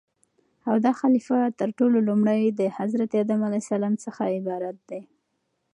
او داخليفه تر ټولو لومړى دحضرت ادم عليه السلام څخه عبارت دى